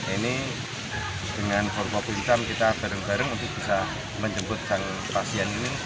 ini dengan formal puncam kita bareng bareng untuk bisa menjemput sang pasien ini